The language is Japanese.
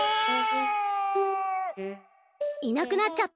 いなくなっちゃった。